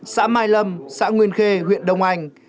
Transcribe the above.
xã mai lâm xã nguyên khê huyện đông anh